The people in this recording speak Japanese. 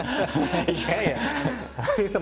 いやいや羽生さん